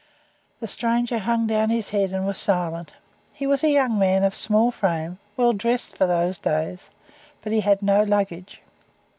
The stranger hung down his head and was silent. He was a young man of small frame, well dressed for those days, but he had o luggage.